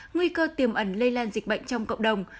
nguy cơ tiềm ẩn lây lan dịch bệnh trong cộng đồng